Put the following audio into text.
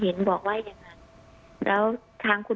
เห็นบอกว่าอย่างนั้น